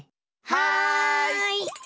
はい！